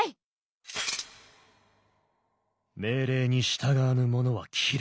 命令に従わぬ者は斬る。